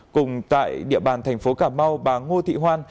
cùng tại địa bàn thành phố cà mau bà ngô thị hoan